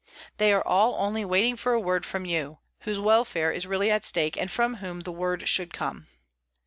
_They are all only waiting for a word from you, whose welfare is really at stake and from whom the word should come.